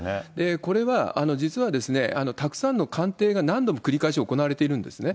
これは実はですね、たくさんの鑑定が何度も繰り返し行われてるんですね。